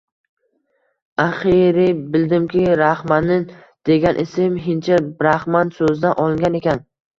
Axiyri bildimki, Raxmanin degan ism hindcha braxman so‘zidan olingan ekan.